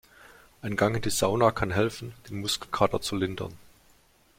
Ein Gang in die Sauna kann helfen, den Muskelkater zu lindern.